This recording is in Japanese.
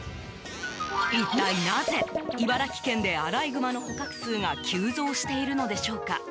一体なぜ、茨城県でアライグマの捕獲数が急増しているのでしょうか？